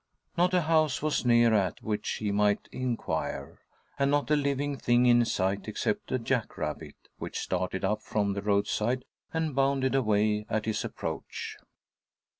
Not a house was near at which he might inquire, and not a living thing in sight except a jack rabbit, which started up from the roadside, and bounded away at his approach.